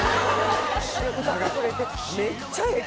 で歌ってくれてめっちゃええ